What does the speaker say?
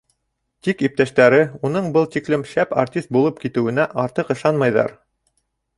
Тик иптәштәре уның был тиклем шәп артист булып китеүенә артыҡ ышанмайҙар.